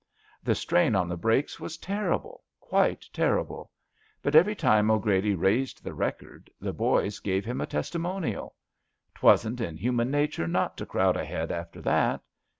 The strain on the brakes was terrible — quite terrible. But every time 'Grady raised the record, the boys gave him a testimonial. 'Twasn't in human nature not to crowd ahead after that.